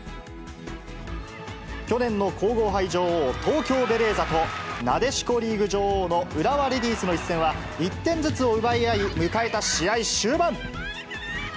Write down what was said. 去年の皇后杯女王、東京ベレーザとなでしこリーグ女王の浦和レディースの一戦は、１点ずつを奪い合い、迎えた試合終盤。